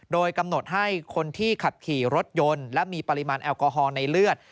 โดยกำหนดให้คนที่ขับขี่รถยนต์และมีปริมาณแอลกอฮอล์ในเลือด